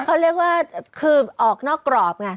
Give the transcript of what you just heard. เขาเรียกว่าคือออกนอกกรอบไง